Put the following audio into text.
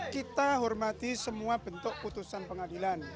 kita hormati semua bentuk putusan pengadilan